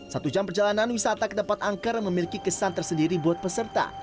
satu jam perjalanan wisata ke tempat angker memiliki kesan tersendiri buat peserta